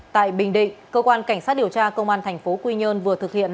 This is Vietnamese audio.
tại bình định cơ quan cảnh sát điều tra công an tp quy nhơn vừa thực hiện